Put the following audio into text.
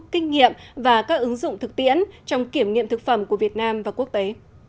kinh nghiệm và các ứng dụng thực tiễn trong kiểm nghiệm thực phẩm của việt nam và quốc tế